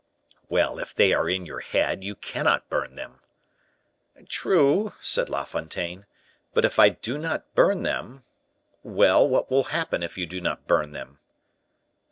"Well, if they are in your head you cannot burn them." "True," said La Fontaine; "but if I do not burn them " "Well, what will happen if you do not burn them?"